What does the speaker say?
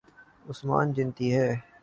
عثمان جنتی ہیں